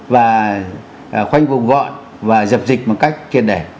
và khoanh vùng gọn và dập dịch một cách kiên đẻ